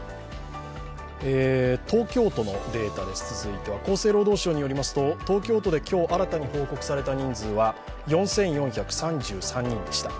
東京都のデータに続いて、厚生労働省のデータですが、東京都で今日新たに報告された感染者は４４３３人でした。